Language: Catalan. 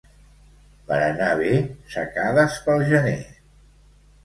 Per anar bé, secades pel gener.